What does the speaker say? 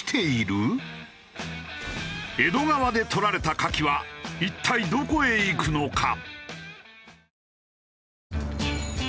江戸川で採られたカキは一体どこへ行くのか？